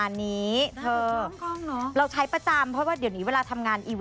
อะไรประมาณนี้